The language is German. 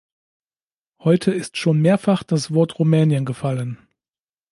Heute ist schon mehrfach das Wort Rumänien gefallen.